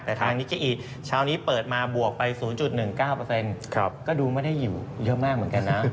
แต่ทางนิกเก้อีเช้านี้เปิดมาบวกไป๐๑๙ก็ดูไม่ได้อยู่เยอะมากเหมือนกันนะ